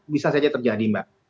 bisa saja terjadi mbak